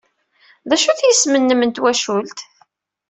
D acu-t yisem-nnem n twacult?